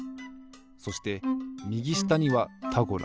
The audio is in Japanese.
そしてみぎしたには「タゴラ」。